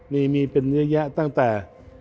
มีเป็นเนื้อแยะตั้งแต่